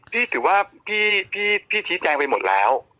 พี่ถือว่าพี่ชี้แจงไปหมดแล้ว